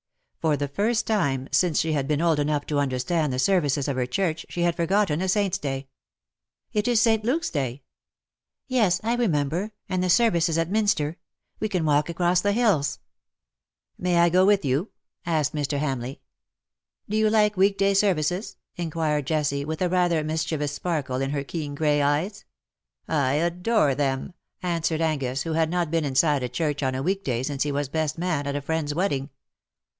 For the first time since she had been old enough to understand the services of her Church, she had forgotten a Saint^s day. '' It is St. Luke^s Day." " Yes, I remember. And the service is at Minster. We can walk across the hills." 106 '' LOVE ! THOU ART LEADING 3IE " May I go with you T' af^ked Mr. Hamleigh. " Do you like Treek day services ?" inquired Jessie, with rather a mischievous sparkle in her keen grey eyes. " I adore them/^ answered Angus, who had not been inside a church on a week day since he was best man at a friend's wedding.